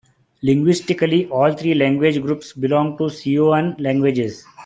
Linguistically, all three language groups belong to Siouan languages.